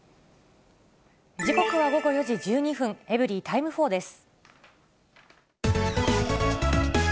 時刻は午後４時１２分、エブリィタイム４です。